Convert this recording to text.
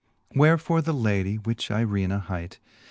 IV. Wherefore the lady, which Eirena hight.